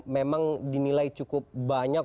memang dinilai cukup banyak